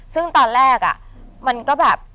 ซึ่งตอนแรกมันก็แบบ